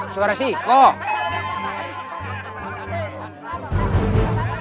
suara si ikut